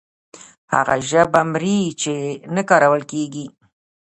هغه ژبه مري چې نه کارول کیږي.